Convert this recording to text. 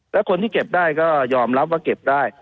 แล้วคนที่เก็บได้ก็ยอมรับว่าเก็บได้